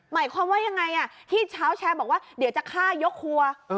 หมายความว่ายังไงที่เช้าแชร์บอกว่าเดี๋ยวจะฆ่ายกครัว